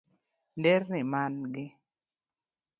Nderni mangi